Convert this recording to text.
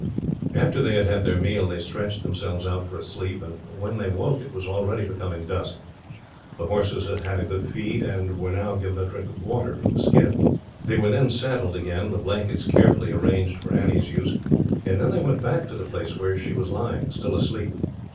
After they had had their meal, they stretched themselves out for a sleep, and when they woke it was already becoming dusk. The horses had had a good feed, and were now given a drink of water, from the skin. They were then saddled again, the blankets carefully arranged for Annie's use, and then they went back to the place where she was lying, still asleep.